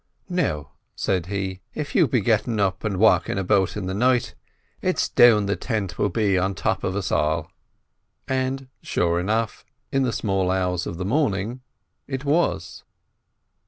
"Now," said he, "if you be gettin' up and walkin' about in the night, it's down the tint will be on top of us all." And, sure enough, in the small hours of the morning, it was.